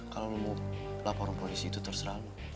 kalau lu mau laporin polisi itu terserah lu